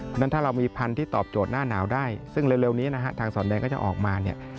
เพราะฉะนั้นถ้าเรามีพันธุ์ที่ตอบโจทย์หน้าหนาวได้ซึ่งเร็วนี้นะฮะทางสอนแดงก็จะออกมาเนี่ย